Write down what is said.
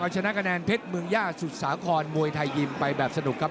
ชนะคะแนนเพชรเมืองย่าสุดสาครมวยไทยยิมไปแบบสนุกครับ